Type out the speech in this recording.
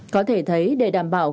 có thể thấy để đảm bảo công ty